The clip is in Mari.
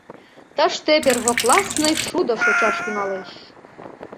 — Тыште первоклассный шудо шочаш тӱҥалеш.